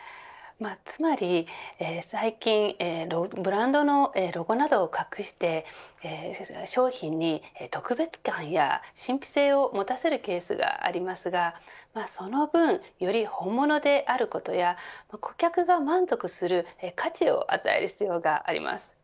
つまり、最近ブランドのロゴなどを隠して商品に特別感や神秘性を持たせるケースがありますがその分、より本物であることや顧客が満足する価値を与える必要があります。